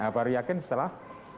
baru yakin setelah